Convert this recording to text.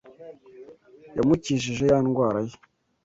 Yamukijije ya ndwara ye.